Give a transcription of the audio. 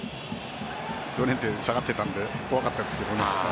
下がっていたので怖かったですけどね。